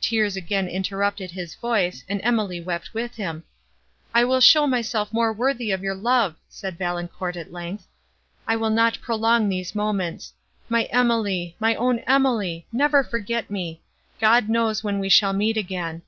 Tears again interrupted his voice, and Emily wept with him. "I will show myself more worthy of your love," said Valancourt, at length; "I will not prolong these moments. My Emily—my own Emily! never forget me! God knows when we shall meet again!